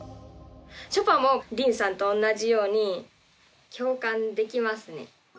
ちょぱもりんさんと同じように共感できますね。